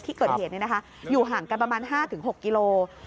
ที่เกิดเหตุอยู่ห่างกันประมาณ๕๖กิโล